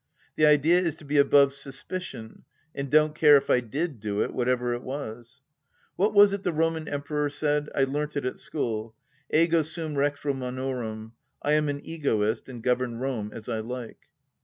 The idea is to be above suspicion, and don't care if I did do it, whatever it was 1 What was it the Roman Emperor said ? I leamt it at school. "Ego sum Rex Romanorum. ... I am an egotist, and govern Rome as I like